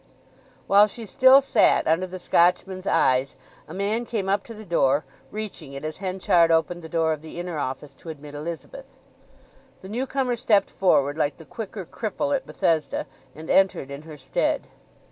X. While she still sat under the Scotchman's eyes a man came up to the door, reaching it as Henchard opened the door of the inner office to admit Elizabeth. The newcomer stepped forward like the quicker cripple at Bethesda, and entered in her stead.